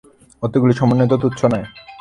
অতগুলি সমস্বয় তো তুচ্ছ নয়?